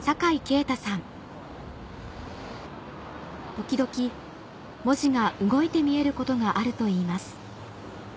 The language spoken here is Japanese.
時々文字が動いて見えることがあるといいます